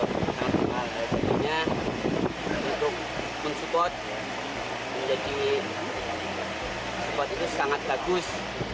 karena sebetulnya untuk mensupot menjadi mensupot itu sangat bagus